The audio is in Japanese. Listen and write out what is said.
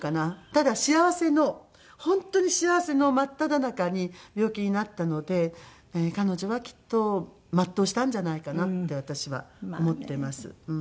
ただ幸せの本当に幸せの真っただ中に病気になったので彼女はきっと全うしたんじゃないかなって私は思っています。